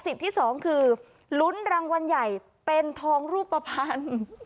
ที่สองคือลุ้นรางวัลใหญ่เป็นทองรูปภัณฑ์